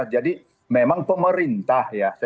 jadi memang pemerintah ya